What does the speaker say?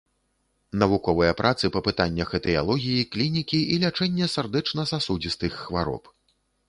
Навуковыя працы па пытаннях этыялогіі, клінікі і лячэння сардэчна-сасудзістых хвароб.